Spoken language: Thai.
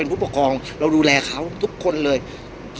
พี่อัดมาสองวันไม่มีใครรู้หรอก